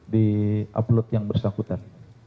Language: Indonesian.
di upload yang bersakutan